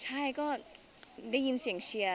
ใช่ก็ได้ยินเสียงเชียร์